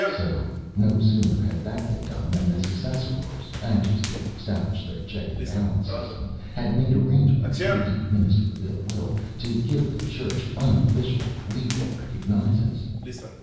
So, no sooner had that been done than the Ssassarors, anxious to establish their check and balance system, had made arrangements through the Minister of Ill Will to give the Church unofficial legal recognizance.